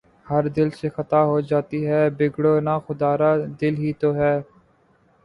ہر دل سے خطا ہو جاتی ہے، بگڑو نہ خدارا، دل ہی تو ہے